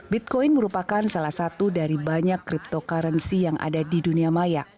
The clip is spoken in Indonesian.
bitcoin merupakan salah satu dari banyak cryptocurrency yang ada di dunia maya